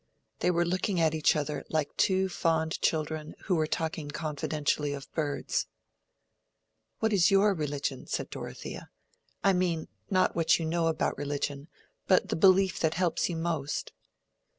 They were looking at each other like two fond children who were talking confidentially of birds. "What is your religion?" said Dorothea. "I mean—not what you know about religion, but the belief that helps you most?"